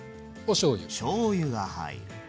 しょうゆが入る。